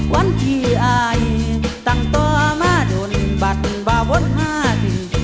ว่านจีอายต่างต่อมาดูนินบาทนี่บะบ่นหาดิ